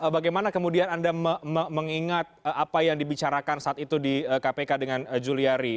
bagaimana kemudian anda mengingat apa yang dibicarakan saat itu di kpk dengan juliari